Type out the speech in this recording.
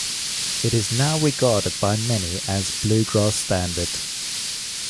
It is now regarded by many as a bluegrass standard.